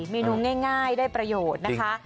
เมนูง่ายได้ประโยชน์นะคะ